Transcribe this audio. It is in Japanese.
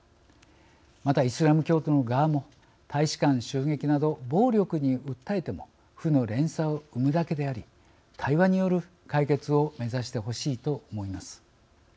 またイスラム教徒の側も大使館襲撃など暴力に訴えても負の連鎖を生むだけであり対話による解決を目指してほしいと思います。